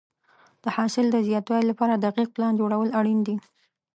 د حاصل د زیاتوالي لپاره دقیق پلان جوړول اړین دي.